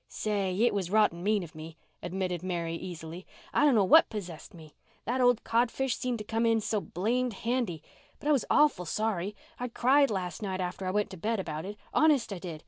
"Say, it was rotten mean of me," admitted Mary easily. "I dunno what possessed me. That old codfish seemed to come in so blamed handy. But I was awful sorry—I cried last night after I went to bed about it, honest I did.